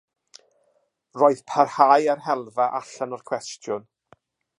Roedd parhau â'r helfa allan o'r cwestiwn.